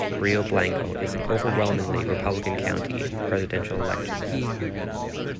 Rio Blanco is an overwhelmingly Republican county in Presidential elections.